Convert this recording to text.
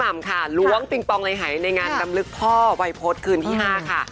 มันต้องเลยหายในงานตำลึกพ่อวัยพศคืนที่๕ค่ะ